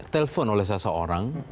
telepon oleh seseorang